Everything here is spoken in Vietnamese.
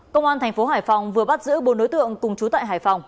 công an thành phố hải phòng vừa bắt giữ bốn đối tượng cùng chú tại hải phòng